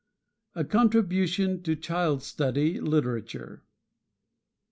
A CONTRIBUTION TO CHILD STUDY LITERATURE.